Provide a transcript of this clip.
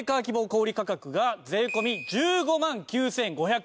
希望小売価格が税込１５万９５００円。